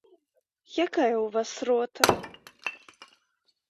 Якая ў вас рота?